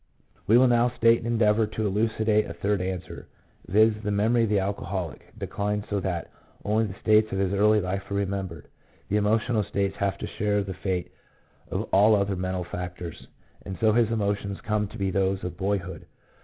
We will now state and endeavour to elucidate a third answer — viz., the memory of the alcoholic declines so that only the states of his early life are remembered. The emotional states have to share the fate of all other mental factors, and so his emotions come to be those of boyhood.